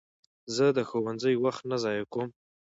زه د ښوونځي وخت نه ضایع کوم.